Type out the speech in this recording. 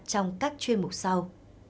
trong các chuyên mục sau